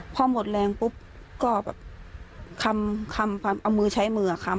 พอหมดแรงปุ๊บก็แบบคำเอามือใช้มือคำ